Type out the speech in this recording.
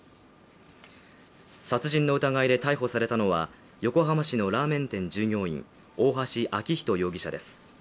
殺人の疑いで逮捕されたのは横浜市のラーメン店従業員、大橋昭仁容疑者です。